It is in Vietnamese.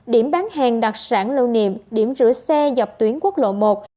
điểm bán hàng đặc sản lưu niệm điểm rửa xe dọc tuyến quốc lộ một